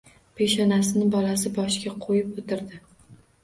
Peshonasini bolasi boshiga qo‘yib o‘tirdi.